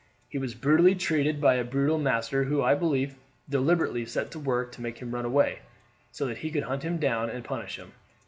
He was brutally treated by a brutal master, who, I believe, deliberately set to work to make him run away, so that he could hunt him down and punish him.